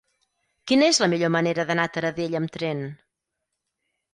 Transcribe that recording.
Quina és la millor manera d'anar a Taradell amb tren?